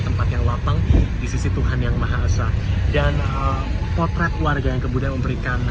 tempat yang lapang di sisi tuhan yang maha esa dan potret warga yang kemudian memberikan